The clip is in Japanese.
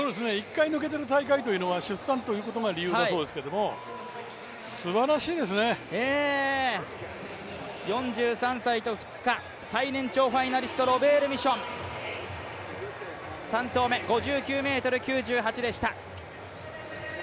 １回抜けてる大会というのは出産が理由というところですけども４３歳と２日、最年長ファイナリストロベール・ミション３投目５９ｍ９８でした。